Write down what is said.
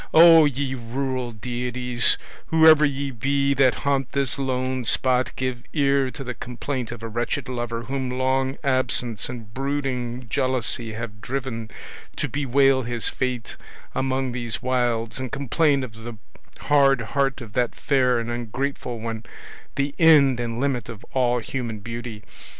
Oh, ye rural deities, whoever ye be that haunt this lone spot, give ear to the complaint of a wretched lover whom long absence and brooding jealousy have driven to bewail his fate among these wilds and complain of the hard heart of that fair and ungrateful one, the end and limit of all human beauty!